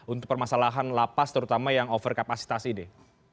untuk permasalahan lapas terutama yang overkapasitas ide